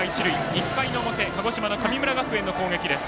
１回の表鹿児島の神村学園の攻撃です。